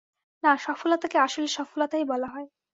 না, সফলতাকে আসলে সফলতাই বলা হয়।